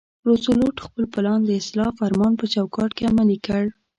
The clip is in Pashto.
روزولټ خپل پلان د اصلاح فرمان په چوکاټ کې عملي کړ.